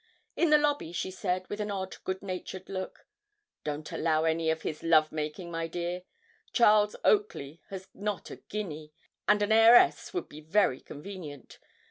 In the lobby she said, with an odd, goodnatured look 'Don't allow any of his love making, my dear. Charles Oakley has not a guinea, and an heiress would be very convenient.